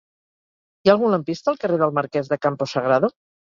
Hi ha algun lampista al carrer del Marquès de Campo Sagrado?